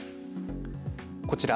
こちら。